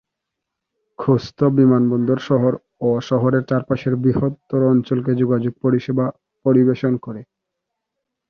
খোস্ত বিমানবন্দর শহর ও শহরের চারপাশের বৃহত্তর অঞ্চলকে যোগাযোগ পরিসেবা পরিবেশন করে।